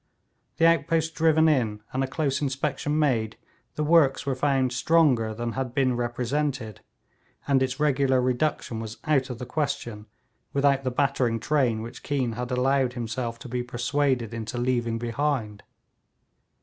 The outposts driven in, and a close inspection made, the works were found stronger than had been represented, and its regular reduction was out of the question without the battering train which Keane had allowed himself to be persuaded into leaving behind.